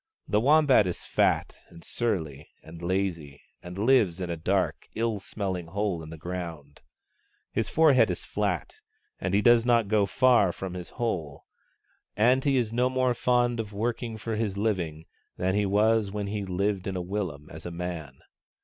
The Wombat is fat and surly and lazy, and he lives in a dark, ill smelling hole in the ground. His forehead is fiat, and he does not go far from his hole ; and he is no more fond of working for his living than he was when he lived in a willum as a man.